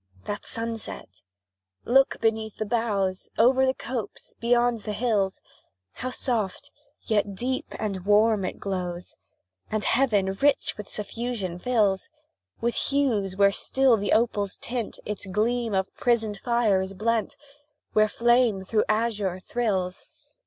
That sunset! Look beneath the boughs, Over the copse beyond the hills; How soft, yet deep and warm it glows, And heaven with rich suffusion fills; With hues where still the opal's tint, Its gleam of prisoned fire is blent, Where flame through azure thrills!